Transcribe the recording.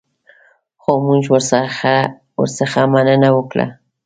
خو موږ ورڅخه مننه وکړه.